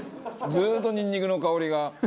ずーっとニンニクの香りが。